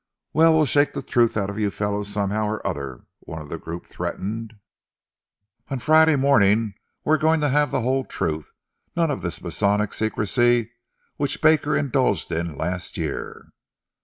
"Well, we'll shake the truth out of you fellows, somehow or other," one of the group threatened. "On Friday morning we are going to have the whole truth none of this Masonic secrecy which Baker indulged in last year."